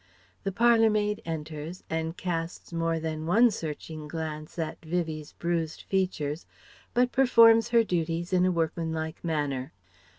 The parlour maid enters, and casts more than one searching glance at Vivie's bruised features, but performs her duties in a workmanlike manner.